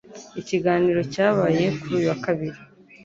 Ikiganiro cyabaye kuri uyu wa kabiri